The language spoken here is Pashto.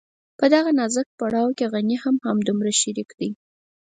په دغه نازک پړاو کې غني هم همدومره شريک دی.